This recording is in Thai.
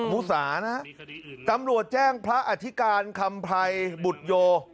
ูสานะตำรวจแจ้งพระอธิการคำภัยบุตรโย